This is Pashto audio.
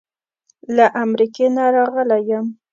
له امریکې نه راغلی یم.